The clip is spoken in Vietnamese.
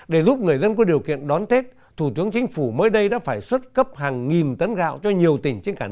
để giúp người dân có điều kiện đón tết thủ tướng chính phủ mới đây đã phải xuất cấp hàng nghìn tấn gạo cho nhiều tỉnh trên cả nước